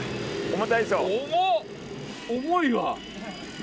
重いわ。